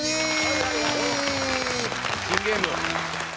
新ゲーム。